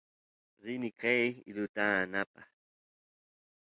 rini qeey iluta aanapaq